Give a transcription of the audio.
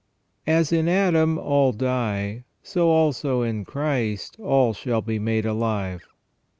"As in Adam all die, so also in Christ all shall be made alive."